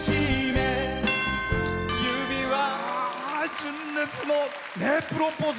純烈の「プロポーズ」。